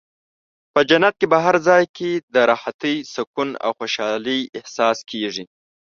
په جنت کې په هر ځای کې د راحتۍ، سکون او خوشحالۍ احساس کېږي.